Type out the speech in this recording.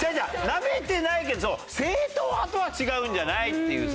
なめてないけど正統派とは違うんじゃない？っていうさ。